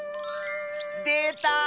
でた！